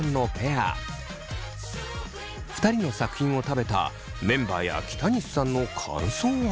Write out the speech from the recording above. ２人の作品を食べたメンバーや北西さんの感想は。